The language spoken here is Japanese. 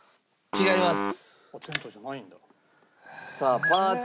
違います。